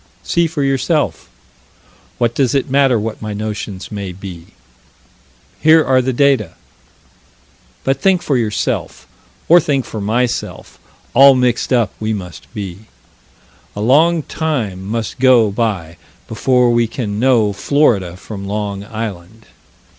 See for yourself. What does it matter what my notions may be? Here are the data. But think for yourself, or think for myself, all mixed up we must be. A long time must go by before we can know Florida from Long Island.